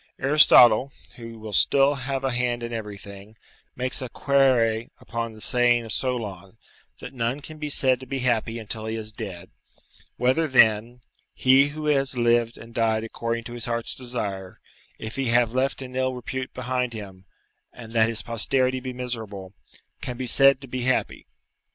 Aristotle, who will still have a hand in everything, makes a 'quaere' upon the saying of Solon, that none can be said to be happy until he is dead: "whether, then, he who has lived and died according to his heart's desire, if he have left an ill repute behind him, and that his posterity be miserable, can be said to be happy?"